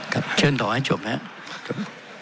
ครับเชิญต่อให้จบครับ